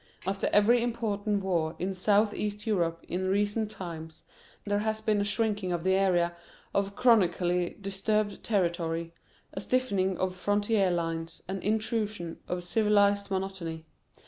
After every important war in South East Europe in recent times there has been a shrinking of the area of chronically disturbed territory, a stiffening of frontier lines, an intrusion of civilised monotony.